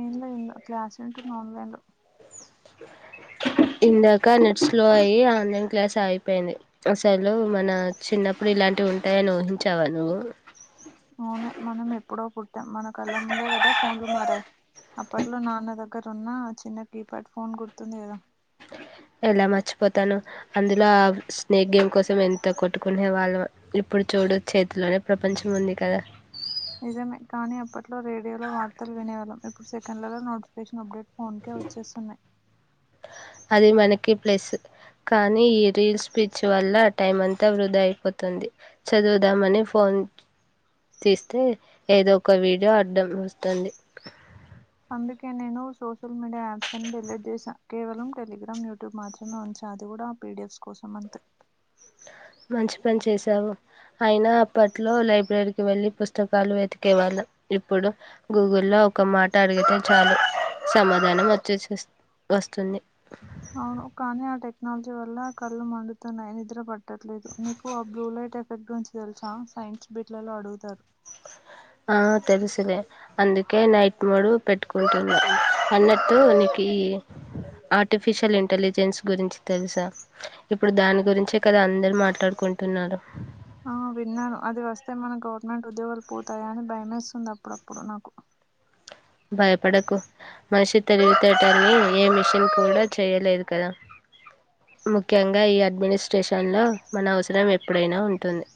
ఏమ్ లేదు ఇంగ క్లాస్లింటున్న ఆన్లైడ్లో ఇందాక నెట్ స్లో అయి ఆన్లైన్ క్లాస్ అయిపేయింది అసలు మన చిన్నప్పుడు ఇలాంటివి ఉంటాయని ఊహించావా నువ్వు అవునే మనం ఎప్పుడో పుట్టాం మన కళ్లా ఉండే [unintelligible] అప్పట్లో నాన్న దగ్గర ఉన్న చిన్న కీప్యాడ్ ఫోన్ గుర్తుంది కదా ఎలా మర్చిపోతాను అందులో ఆ స్నేక్ గేమ్ కోసం ఎంత కొట్టుకునే వాళ్ళమొ ఇప్ ఇప్పుడు చూడు చేతిలోనే ప్రపంచం ఉంది కదా నిజమే కానీ అప్పట్లో రేడియోలో వార్తలు వినేవాళ్ళం ఇప్పుడు సెకండ్లలో నోటిఫికేషన్ అప్డేట్ ఫోన్కే వచ్చేస్తున్నాయ్ అది మనకి ప్లెస్సు కానీ ఈ రీల్స్ పిచ్ వల్ల టైం అంతా వృధ అయిపోతుంది చదువుదామని ఫో న్ తీస్తే ఏదో ఒక వీడియో అడ్డం వొస్తుంది అందుకే నేను సో సోషల్ మీడియా యొప్స్ అన్ని డిలీట్ చేసా కేవలం టెగ్రామ్ యూట్యూబ్ మాత్రమే ఉంచా అది గూడా పీడిఎఫ్ కోసమ అంతే మంచి పని చేసావు అయినా అప్పట్లో లైబ్రరీకి వెళ్ళి పుస్తకాలు వెతికే వాళ్ళం ఇప్పుడు గూగుల్లో ఒక మాట అడిగితే చాలు సమాధానం వచ్చేసెస్ వస్తుంది అవును కానీ ఆ టెక్నాలజీ వల్ల కళ్ళు మండుతున్నాయ్ నిద్ర పట్టట్లేదు నీకు ఆ బ్లూ లై ట్ ఎఫెక్ట్ గురించి దెలుసా సైన్స్ బిట్లలో అడుగుతారు ఆ తెలుసులేే అందుకే నైట్ మోడు పెట్టుకుంటన్నా అన్నట్టు నీక్ కీ ఆర్టిఫిషియల్ ఇంటెలిజెన్స్ గురించి తెలుసా ఇప్పుడు దాని గురించే కదా అందరు మాట్లాడుకుంటున్నారు ఆ విన్నాను అది వస్తే మన గవర్నమెంట్ ఉద్యోగాలు పోతాయా అని భయమేస్తుంది అప్పుడప్పుడు నాకు భయపడకు మనిషి తెలివితేటల్ని ఏ మిషన్ కూడా చేయలేదు కదా ముఖ్యంగా ఈ అడ్మినిస్ట్రేషన్ లో మన అవసరం ఎప్పుడైనా ఉంటుంది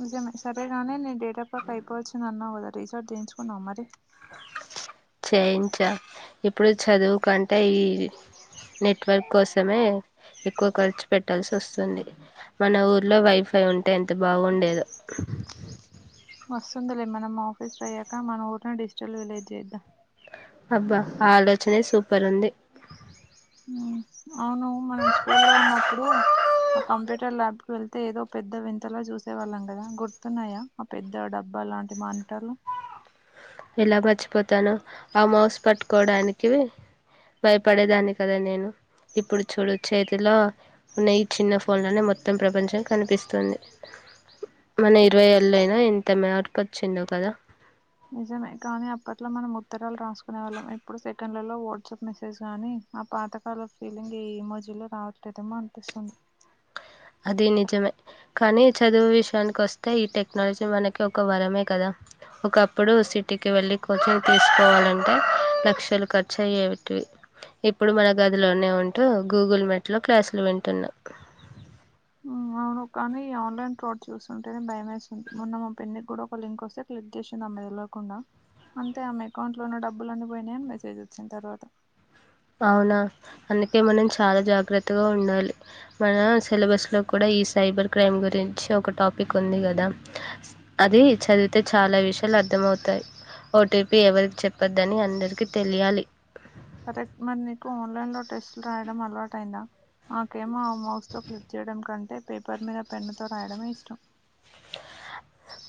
నిజమే సరేగాని నీ డేటా ప్యాక్ అయిపోవచ్చింది అన్నావ్ గ దరీస్టార్ట్ జేయించుకున్నావ మరి చేయించా ఇప్పుడు చదువు కంటే ఈ నెట్వర్క్ కోసమే ఎక్కువ ఖర్చు పెట్టాల్సి వస్తుంది మన ఊర్లో వైఫై ఉంటే ఎంత బాగుండేది రిజిస్టర్ అయ్యాక మన ఊరినే డిజిటల్ విలేజ్ జేద్దాం అబ్బా ఆలోచనే సూపరుంది ఉమ్, అవును మనం స్కూల్లో ఉన్నప్పుడు ఒక కంప్యూటర్ ల్యాబ్ కు వెళ్ తే ఏదో పెద్ద వింతలా చూసేవాళ్ళం కదా గుర్తున్నాయా ఆ పెద్ద డబ్బా లాంటి మానిటర్లు ఎలా మర్చిపోతాను ఆ మౌస్ పట్టుకోడానికి భయపడేదాన్ని కదా నేను ఇప్పుడు చూడు చేతిలో ఉన్న ఈ చిన్న ఫోండ్లోనే మొత్తం ప్రపంచం కనిపిస్తుంది మన ఇరవై ఏళ్ళ అయినా ఇంత మ్యార్పొచ్చిందో కదా నిజమే కానీ అప్పట్లో మనం ఉత్తరాలు రాసుకునే వాళ్ళం ఎప్పుడు సెకండ్లలో వాట్సాప్ మెసేజ్ గానీ ఒ పాతకాల ఫీలింగ్ ఏ మోజుల్లో రావట్లేదేమో అనిపిస్తుంది అది నిజమే కానీ చదువు విషయానికి వస్తే ఈ టెక్నాలజీ మనకి ఒక వరమే కదా ఒకప్పుడు సిటికి వెళ్ళి కోచింగ్ తీసుకోవాలంటే లక్షలు ఖర్చు అయ్యేటివి ఇప్పుడు మన గదిలోనే ఉంటూ గూగుల్ మెట్లో క్లాసులు వింటున్నా ఉమ్ అవును కానీ ఈ ఆన్లైన్ ఫ్రాడ్ చూస్తుంటేనే భయమేస్తుంది మొన్న మా పిన్ని కూడా ఒక లింక్ వస్తే క్లిక్ చేసింది ఆ మెల్లో కుండా అంతే ఆమె అకౌంట్ లోన్న డబ్బులు అన్నిపోయినీ అని మెసేజ్ వచ్చింది తర్వాత అవునా అందుకే మనం చాలా జాగ్రత్తగా ఉండాలి మన సిలబస్ లో కూడా ఈ సైబర్ క్రైమ్ గురించి ఒక టాపిక్ ఉంది కదా అది చదివితే చాలా విషయాలు అర్థమవుతాయి ఓటీపీ ఎవరికి చెప్పద్దని అందరికీ తెలియాలి కరెక్ట్ మరి నీకు ఆన్లైన్ లో టెస్ట్లు రాయడం అలవాట అయిందా మాకేమో మౌస్ తో క్లిక్ చేయడం కంటే పేపర్ మీద పెన్నుతో రాయడమే ఇష్టం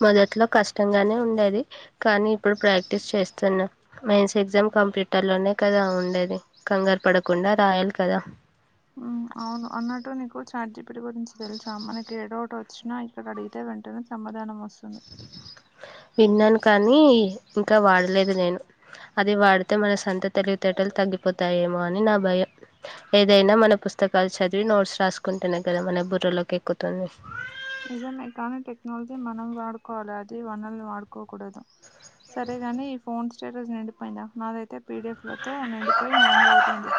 మొదట్లో కష్టంగానే ఉండేది కానీ ఇప్పుడు ప్రాక్టీస్ చేస్తున్న మెయిన్స్ ఎగ్జామ్ కంప్యూటర్లోనే కదా ఉండేది కంగారు పడకుండా రాయాలి కదా అవును అన్నట్టు నీకు చార్ట్ జి పి టి గురించి తెలుసా మనకి ఏ డవ్ట్ వచ్చినా ఇక్కడ అడిగితే వెంటనే సమాధానం వస్తుంది. విన్నాను కానీ ఇంకా వాడలేదు నేను అది వాడితే మన సొంత తెలివితేటలు తగ్ ఉండిపోతాయేమో అని నా భయం ఏదైనా మన పుస్తకాలు చదివి నోట్స్ రాసుకుంటేనే కదా మనం బుర్రలోకి ఎక్కుతుంది నిజంమే కానీ టెక్నాలజీ మనం వాడుకోవాలి అది వనల్ని వాడుకోకూడదు సరేగాని ఈ ఫోన్ స్టేటస్ నిండిపోయిందా నాదైతే పీడిఎఫ్ లతో నిండిపోయి హెంగ్ అవుతుంది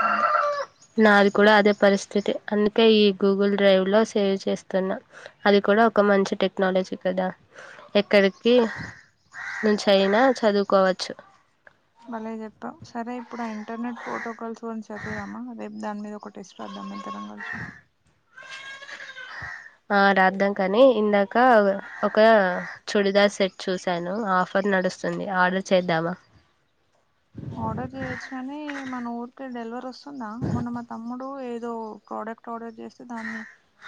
నాది కూడా అదే పరిస్థితి అందుకే ఈ గూగుల్ డ్రైవ్ లో సేవ్ చేస్తున్నా అది కూడా ఒక మంచి టెక్నాలజీ కదా ఎక్కడికి నుంచి అయినా చదువుకోవచ్చు భలే చెప్పావ్ సరే ఇప్పుడు ఆ ఇంటర్నెట్ ప్రోటోకాల్స్ గురించి చదువుదామా రేపు దాని మీద ఒక టెస్ట్ రద్దాం మన ఇద్దరం గల్సి ఆ రాద్దాం కానీ ఇందాక ఒక చుడిదార్ సెట్ చూసాను ఆఫర్ నడుస్తుంది ఆర్డర్ చేద్దామా ఆర్డర్ చేయొచ్చు కాని మన ఊరికి డెలివర్ వస్తుందా మొన్న మా తమ్ముడు ఏ దో ప్రోడక్ట్ ఆర్డర్ చేస్తే దాన్ని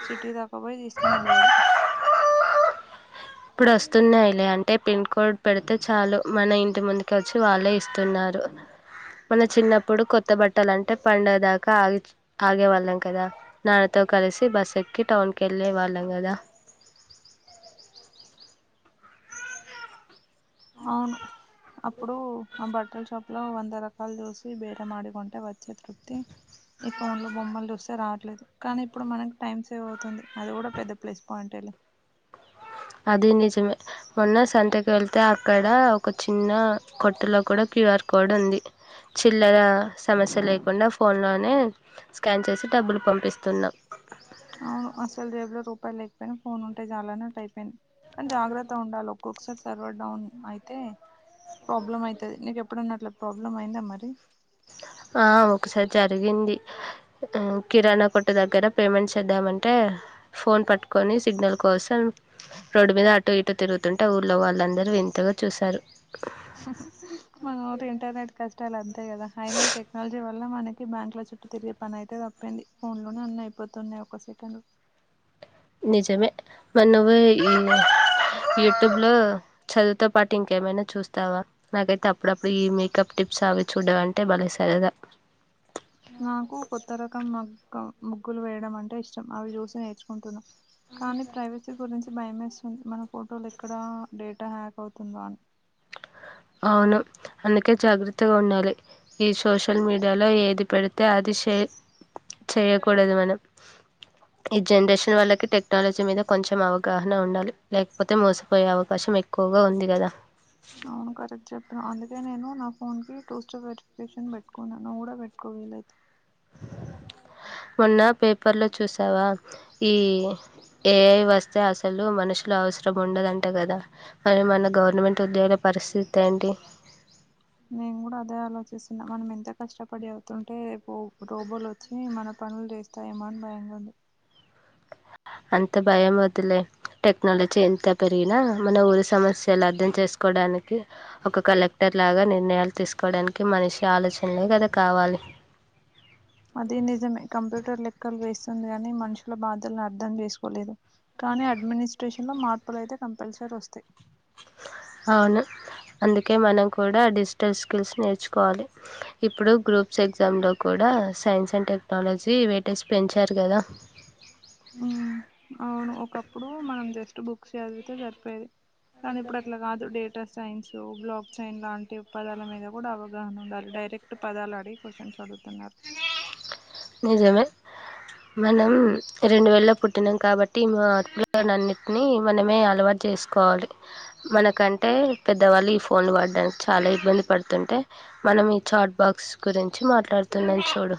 సిటీ దాక పోయి తీసుకున్నాడు వాడు ఇప్పుడు వస్తున్నాయిలే అంటే పిన్ కోడ్ పెడితే చాలు మన ఇంటి ముందుకి వచ్చి వాళ్ళే ఇస్తున్నారు రో మన చిన్నప్పుడు కొత్త బట్టలు అంటే పండగ దాకా ఆగి ఆగేవాళ్ళం కదా నాన్నతో కలిసి బస్ ఎక్కి టౌన్కి ఎళ్ళేవాళ్ళం కదా అవును అప్పుడు ఆ బట్ బట్టల షాప్ లో వంద రకాల చూసి బేరం మాడి కొంటే వచ్చే తృప్తి ఇ ఫోన్లో బొమ్మలు చూస్తే రావట్లేదు కానీ ఇప్పుడు మనకి టైమ్ సేవ్ అవుతుంది అది కూడా పెద్ద ప్లేస్ పాయింటే లే అది నిజమే మొన్న సంతకి వెళ్తే అక్కడ ఒక చిన్న కొట్టులో కూడా క్యూఆర్ కోడ్ ఉంది చిల్లర సమస్య లేకుండా ఫోన్లోనే స్కాన్ చేసి డబ్బులు పంపిస్తున్నాం అవును అసలు జేబ్లో రూపాయలు లేకపోయినా ఫోన్ ఉంటే చాలా అనట్టు అయిపోయింది కానీ జాగ్రత్త ఉండాలో ఒకొకసారి సర్వర్ డౌన్ అయితే ప్రాబ్లమ్ అయితది నీక ఎప్పుడున్నట్ల ప్రాబ్లం అయిందా మరి ఆ ఒకసారి జరిగింది కిరాణా కొట్టు దగ్గర పేమెంట్ చేద్దామంటే ఫోన్ పట్టుకొని సిగ్నల్ కోసం రోడ్డు మీద అటూ ఇటూ తిరుగుతుంటే ఊర్లో వాళ్ళందరూ వింతగా చూశారు మన ఊరి ఇంటర్నెట్ కష్టాలు అంతే కదా అయిన టెక్నాలజీ వల్ల ఇల మనకి బ్యాంక్ లో చుట్టూ తిరిగే పని అయితే తప్పింది ఫోన్ లోనే అన్న అయిపోతున్నాయి ఒక సెకండ్ నిజేమ వన్ వ యూట్యూబ్ లో చదువుతో పాటు ఇంకేమైనా చూస్తావా నాకైతే అప్పుడప్పుడు ఈ మేకప్ టిప్ సో అవి చూడ్డమంటే బలే సరదా నాకు కొత్త రకం మగ్గ ముగ్గులు వేయడం అంటే ఇష్టం అవి చూసి నేర్చుకుంటున్నా కానీ ప్రైవసీ గురించి భయ వేస్ మన ఫోటోలు ఎక్కడ డేటా హ్యాక్ అవుతుందో అని అవును అందుకే జాగ్రత్తగా ఉండాలి ఈ సోషల్ మీడియాలో ఏది పెడితే అది షే చేయకూడదు మనం ఈ జనరేషన్ వాళ్ళకి టెక్నాలజీ మీద కొంచం అవగాహన ఉండాలి లేకపోతే మోసపోయే అవకా షం ఎక్కువగా ఉంది కదా అవును కరెక్ట్ చెప్ అందుకే నేను నా ఫోన్ కి టో స్టెప్ వెరిఫికేషన్ పెట్టుకున్నాను నువ్వు కూడా పెట్టుకో వీలైతే మొన్న పేపర్ లో చూసావా ఈ ఏ అవి వస్తే అసలు మనుషులు అవసరం ఉండదంట కదా మరి మన గవర్నమెంట్ ఉద్యోగుల పరిస్థితి ఏంటి నేను కూడా అదే ఆలోచిస్తున్నా మనం ఎంత కష్టపడి అవుతుంటే రేపు రోబోలు వచ్చి మన పనులు చేస్తాయేమో అని భయంగుంది అంత భయం వద్దులే టెక్నాలజీ ఎంత పెరిగినా మన ఊరి సమస్యలు అర్థం చేస్ కోడానికి ఒక కలెక్టర్ లాగా నిర్ణయాలు తీసుకోవడానికి మనిషి ఆలోచనలే కదా కావాలని అది నిజమే కంప్యూటర్ లెక్కలు వేస్తుంది గానీ మనుషుల బాధలను అర్థం చేసుకోలేదు కానీ అడ్మినిస్ట్రేషన్లో మార్పులయితే కంపల్సరీ వస్తాయి అవును అందుకే మనం కూడా డిజిటల్ స్కిల్స్ నేర్చుకోవాలి ఇప్పుడు గ్రూప్స్ ఎగ్జామ్ లో కూ డా సైన్స్ అండ్ టెక్నాలజీ వెయిటేజ్ పెంచారు కదా హ్మ్ అవును ఒకప్పుడు మనం జస్ట్ బుక్స్ చదివితే సరిపోయేది కానీ ఇప్పుడు అట్లా కాదు డేడ్ సైన్స్ బ్లాక్ సైన్ లాంటి పదాల మీద కూడా అవగాహన ఉండాలి డైరెక్ట్ పదాలు అడిగి క్వశ్చన్ అడుగుతున్నారు నిజమే మనం రెండు వేలో పుట్టినాం కాబట్టి మా అప్పున్నింటిని మనమే అలవాట్ చేసుకోవాలి మన కంటే పెద్ద వాళ్ళు ఈ ఫోన్లు వాడడానికి చాలా ఇబ్బంది పడుతుంటే మనం ఈ చాట్ బాక్స్ గురించి మాట్లాడ్ తునన్ చూడు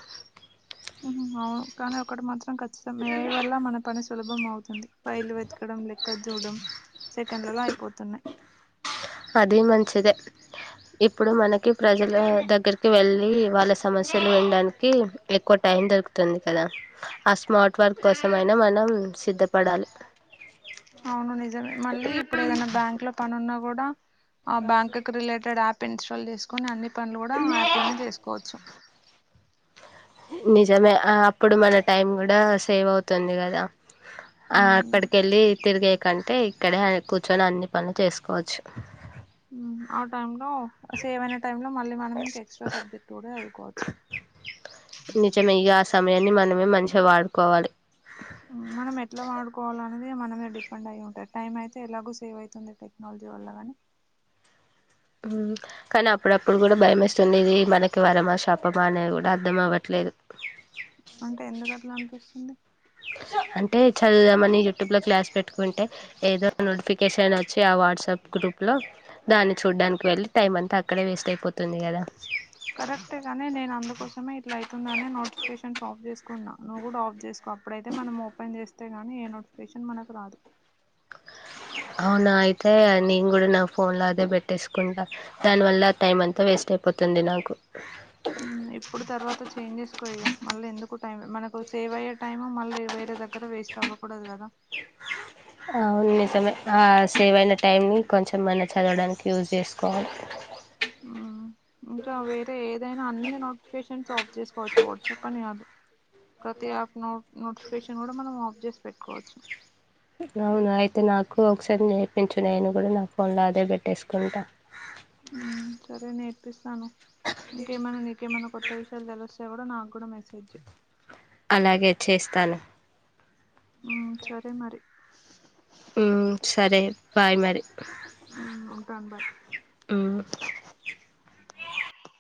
ఆ అవును కానీ ఒకటి మాత్రం మే ఐ వల్ల మన పని సులభం అవుతుంది ఫైలు వెతకడం లెక్క చూడడం సెకండ్లలో అయిపోతున్నాయ్ అది మంచిదే ఇప్పుడు మనకి ప్రజల దగ్గరికి వెళ్ళి వాళ్ళ సమస్యలు వినడానికి ఎక్కువ టైం దొరుకు తెల్దు కదా ఆ స్మార్ట్ వర్క్ కోసంయినా మనం సిద్ధపడాలి అవును నిజమే మళ్ళీ ఇప్పుడు ఏదైనా బ్యాంక్ లో పని ఉన్న కూడా ఆ బ్యాంక్ రిలేటెడ్ యాప్ ఇన్స్టాల్ చేసుకోని అన్ని పనులు కూడా యాప్ లోనే చేసుకో స నిజమే అప్పుడు మన టైం కూడా సేవ్ అవుతుంది కదా ఆ ఉమ్, అక్కడికి వెళ్ళి తిరిగే కంటే ఇక్కడే కూర్చొని అన్ని పనులు చేసుకోవచ్చు ఆ టైం లో సేవైన టైంలో మళ్ళీ మనం ఇంక ఎక్స్ట్రా సబ్జెక్ట్ కూడా చదువుకోవచ్చు నిజమే ఇగ ఆ సమయాన్ని మనమే మంచిగా వాడుకోవాలి మనం ఎట్లా వాడుకోవాలి అనేది మనమే డిపెండ్ అయింటాయి ఉంటా టైం అయితే ఎలాగో సేవ్ అవుతుంది టెక్నాలజీ ది వల్లగాని కానీ అప్పుడప్పుడు కూడా భయం వేస్తుంది ఇది మనకి వరమా శాపమా అనేది కూడా అర్ధం అవ్వట్లేదు లేదు అంటే ఎందుకు అట్ల అనిపిస్తుంది అంటే చదవదామని యూట్యూబ్ లో క్లాస్ పెట్టుకుంటే ఏదో నోటిఫికేషన్ వచ్చి అ వాట్సాప్ గ్రూప్ లో దాన్ని చూడడానికి వెళ్ళి టైమ్ అంతా అక్కడే వేస్ట్ అయిపో కరెక్ట్ గాని నేను అందుకోసమే ఇట్లా అయితుందని నోటిఫికేషన్స్ ఆఫ్ చేస్తాను కున్నా నువ్వు కూడా ఆఫ్ చేసుకో అప్పుడైతే మనం ఓపెన్ చేస్తే గానీ ఏ నోటిఫికేషన్ మనకు రాదు అవునా అయితే నేను కూడా నా ఫోన్ లో అదే పెట్టేసుకుంటా దాని వల్ల టైం అంతా వేస్ట్ అయిపో తుంది నాకు ఇప్పుడు తర్వాత చేంజ్ చేసుకో ఇగ మళ్ళీ ఎందుకు టైం మనకు సేవ్ అయ్యె టైము మళ్ళీ వేరే దగ్గర వే వేస్ట్ అవ్వకూడదు కదా ఆ అది నిజమే ఆ సమయం సేవ్ అయిన టైంని కొంచెం మన్న చదవడానికి యూస్ చేసుకోవాలి మ్మ్ ఇంకా వేరే ఏదైనా అన్ని నోటిఫికేషన్స్ ఆఫ్ చేసుకోవచ్చు ఒక్కటి అని కాదు ప్రతి యాప్ నో నోటిఫికేషన్ కూడా మనం ఆఫ్ చేసి పెట్టుకోవచ్చు అవున అయితే నాకు ఒకసారి నేర్పించువా నేను కూడా నా ఫోన్ లో అదే పెట్టేసుకుంటా మ్మ్ సరే నేర్పిస్తాను ఇంకేమైన్నా నీకేమన్నా కొత్త విషయాలు తెలుస్త ఎవడో నాకు కూడా మెసేజ్ అలాగే చేస్తాను సరే మరి మ్మ్ సరే బాయ్ మరి మ్మ్ ఉంటాను బాయ్ మ్మ్